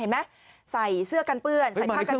ไม่มาในเครื่องแบบเหรอ